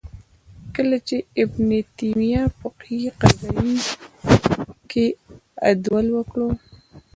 کله چې ابن تیمیه فقهې قضیې کې عدول وکړ